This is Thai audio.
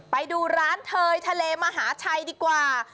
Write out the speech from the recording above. ไปดูร้านเทยทะเลมหาชัยดีกว่า